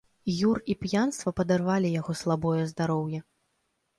Юр і п'янства падарвалі яго слабое здароўе.